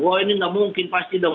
wah ini nggak mungkin pasti dong